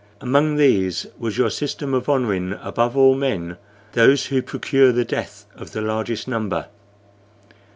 Among these was your system of honoring above all men those who procure the death of the largest number.